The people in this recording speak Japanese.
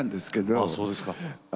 ああそうですか。